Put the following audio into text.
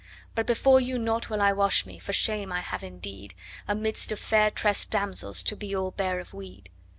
But before you nought will I wash me, for shame I have indeed, Amidst of fair tressed damsels to be all bare of weed.'